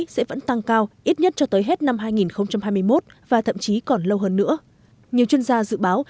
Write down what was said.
sẽ vẫn tăng cao ít nhất cho tới hết năm hai nghìn hai mươi một và thậm chí còn lâu hơn nữa nhiều chuyên gia dự báo